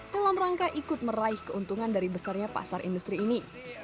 dalam rangka ikut meraih keuntungan dari besarnya pasar industri ini